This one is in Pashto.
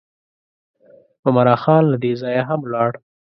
عمرا خان له دې ځایه هم ولاړ.